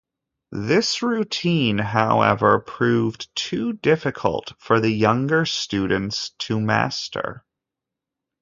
This routine, however, proved too difficult for the younger students to master.